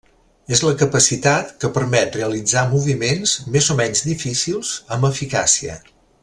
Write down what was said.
És la capacitat que permet realitzar moviments més o menys difícils amb eficàcia.